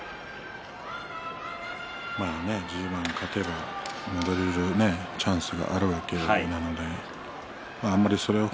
１０番勝てば戻れるチャンスがありますよね。